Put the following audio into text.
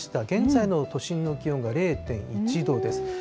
現在の都心の気温が０．１度です。